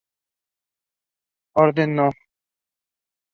Orden No.